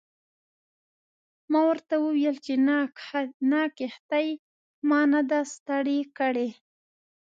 ما ورته وویل چې نه کښتۍ ما نه ده ستړې کړې.